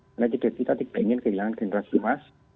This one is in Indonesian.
karena kita ingin kehilangan generasi emas